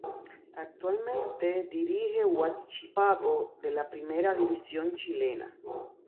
Actualmente dirige a Huachipato, de la Primera División chilena.